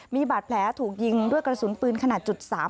มีบาดแผลถูกยิงด้วยกระสุนปืนขนาด๓๘